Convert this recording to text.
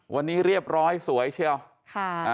วันนี้เรียบร้อยสวยใช่ไหม